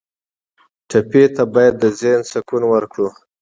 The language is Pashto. ټپي ته باید د ذهن سکون ورکړو.